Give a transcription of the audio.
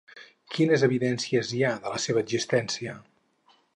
Quines evidències hi ha de la seva existència?